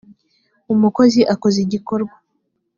umukozi akoze igikorwa